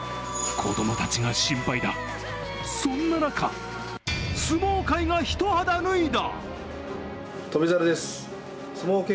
子供たちが心配だ、そんな中、相撲界が一肌脱いだ。